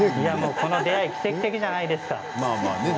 この出会い奇跡的じゃないですか？